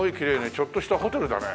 ちょっとしたホテルだね。